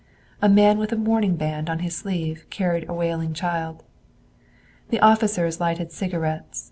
A man with a mourning band on his sleeve carried a wailing child. The officers lighted cigarettes.